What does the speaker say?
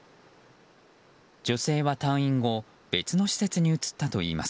女性は退院後別の施設に移ったといいます。